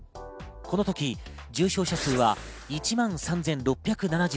このとき重症者数は１万３６７１人。